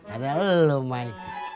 ada lu mai